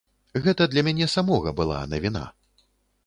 Гэта для мяне самога была навіна.